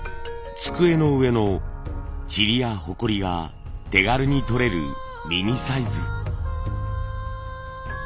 机の上のチリやほこりが手軽に取れるミニサイズ。